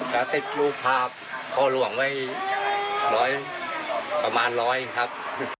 กาติดลูกพาพอล่วงไว้๑๐๐ประมาณ๑๐๐ครับ